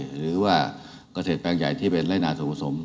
หรือว่าเกษตรแปลงใหญ่ที่เป็นไร่นาส่วนผสม